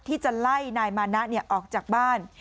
ที่จะไล่นายมานะออกจากบ้าน